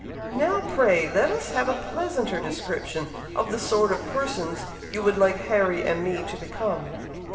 Now pray let us have a pleasanter description of the sort of persons you would like Harry and me to become."